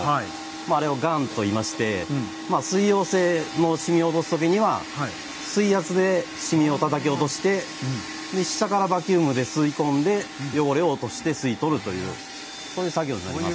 あれをガンと言いまして水溶性の染みを落とす時には水圧で染みをたたき落として下からバキュームで吸い込んで汚れを落として吸い取るというそういう作業になります。